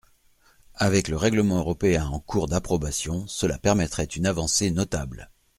Avec le règlement européen en cours d’approbation, cela permettrait une avancée notable.